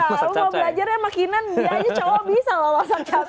kalau mau belajar ya makinan dia aja cowok bisa loh pasang capek